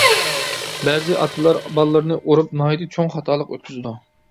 بەزى-ئاتىلار بالىلىرىنى ئۇرۇپ ناھايىتى چوڭ خاتالىق ئۆتكۈزىدۇ.